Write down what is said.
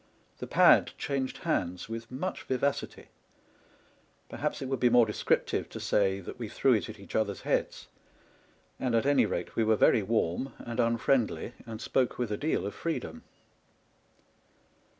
The pad changed hands with much vivacity ; perhaps it would be more descriptive to say that we threw it at each other's heads ; and, at any 11 TRAVELS WITH A DONKEY rate, we were very warm and unfriendly, and spoke with a deal of freedom.